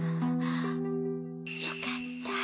よかった。